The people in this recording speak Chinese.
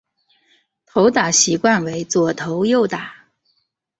投打习惯为右投右打。